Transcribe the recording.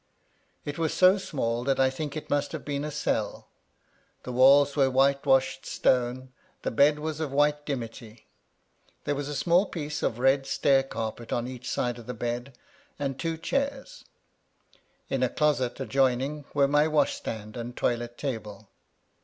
It was so small that I think it must have been a cell. The walls were whitewashed stone ; the bed was of VOL. I. C 26 MY LADY LUDLOW. white dimity. There was a small piece of red stair carpet on each side of the bed, and two chairs. In a closet adjoining were my washstand and toilet table.